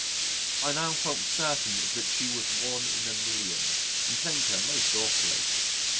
I now felt certain that she was one in a million and thanked her most awfully.